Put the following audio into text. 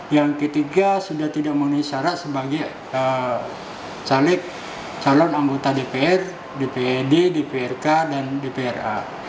yang ketiga sudah tidak memenuhi syarat sebagai caleg calon anggota dpr dprd dprk dan dpra